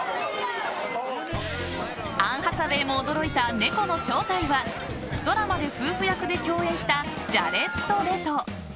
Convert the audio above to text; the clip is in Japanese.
アン・ハサウェイも驚いた猫の正体はドラマで夫婦役で共演したジャレッド・レト。